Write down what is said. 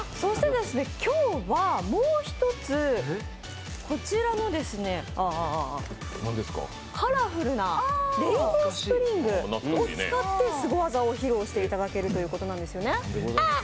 今日はもう一つ、こちらのカラフルなレインボースプリングを使ってスゴ技を披露していただけるということなんですよね。